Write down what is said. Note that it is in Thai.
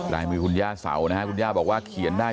ลายมือคุณย่าเสานะฮะคุณย่าบอกว่าเขียนได้